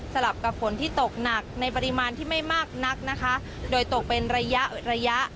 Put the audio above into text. กับฝนที่ตกหนักในปริมาณที่ไม่มากนักนะคะโดยตกเป็นระยะระยะ